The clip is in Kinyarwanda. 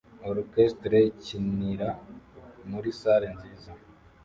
Orchestre ikinira muri salle nziza